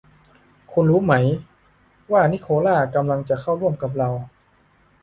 คุณรู้ไหมว่านิโคล่ากำลังจะเข้าร่วมกับเรา